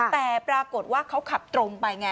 แต่ปรากฏว่าเขาขับตรงไปไง